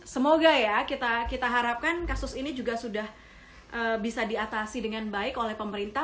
semoga ya kita harapkan kasus ini juga sudah bisa diatasi dengan baik oleh pemerintah